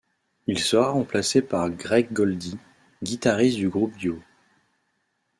Il sera remplacé par Graig Goldy, guitariste du groupe Dio.